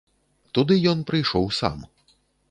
Туды ён прыйшоў сам.